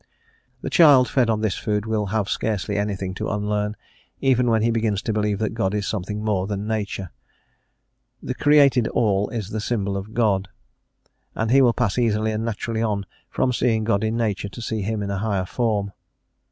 The child fed on this food will have scarcely anything to unlearn, even when he begins to believe that God is something more than Nature; "the created All is the symbol of God," and he will pass easily and naturally on from seeing God in Nature to see Him in a higher form.